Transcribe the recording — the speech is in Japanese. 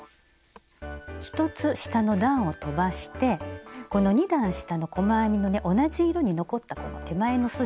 １つ下の段をとばしてこの２段下の細編みのね同じ色に残ったこの手前のすじ。